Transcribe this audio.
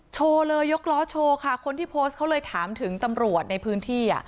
โชว์เลยยกล้อโชว์ค่ะคนที่โพสต์เขาเลยถามถึงตำรวจในพื้นที่อ่ะ